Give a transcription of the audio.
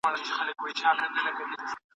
استاد باید شاګرد ته د کار خپلواکي ورکړي.